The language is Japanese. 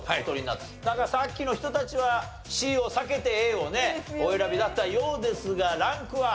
なんかさっきの人たちはＣを避けてＡをねお選びだったようですがランクは？